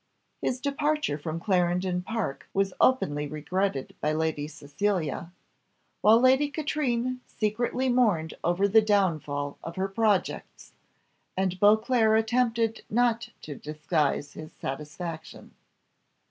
His departure from Clarendon Park was openly regretted by Lady Cecilia, while Lady Katrine secretly mourned over the downfall of her projects, and Beauclerc attempted not to disguise his satisfaction.